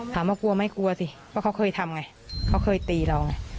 กลัวไม่กลัวสิเพราะเขาเคยทำไงเขาเคยตีเราไง